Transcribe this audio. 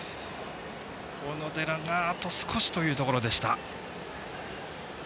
小野寺があと少しというところでした。